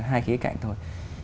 hai khía cạnh thôi